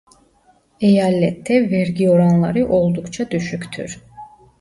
Eyalette vergi oranları oldukça düşüktür.